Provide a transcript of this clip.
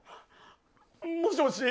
もしもし？